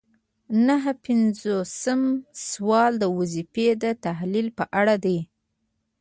نهه پنځوسم سوال د وظیفې د تحلیل په اړه دی.